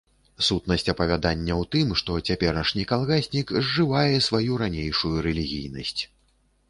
Сутнасць апавядання ў тым, што цяперашні калгаснік зжывае сваю ранейшую рэлігійнасць.